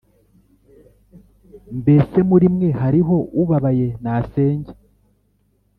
mbese muri mwe hariho ubabaye nasenge